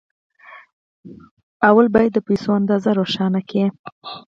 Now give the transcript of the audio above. لومړی باید د پيسو اندازه روښانه کړئ.